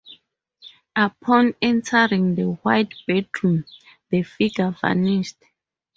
Upon entering the White Bedroom the figure vanished.